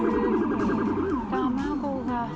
卵が。